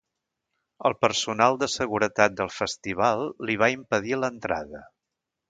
El personal de seguretat del festival li hi va impedir l’entrada.